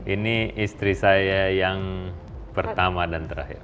ini istri saya yang pertama dan terakhir